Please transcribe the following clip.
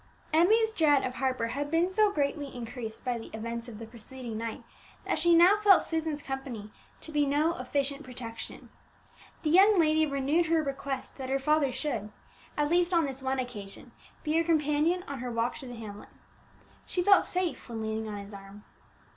Emmie's dread of Harper had been so greatly increased by the events of the preceding night, that she now felt Susan's company to be no efficient protection. The young lady renewed her request that her father should, at least on this one occasion, be her companion on her walk to the hamlet. She felt safe when leaning on his arm.